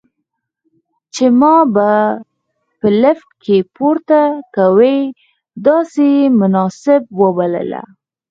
چې ما به په لفټ کې پورته کوي، داسې یې مناسب وبلله.